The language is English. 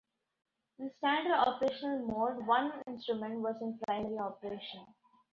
In standard operational mode one instrument was in primary operation.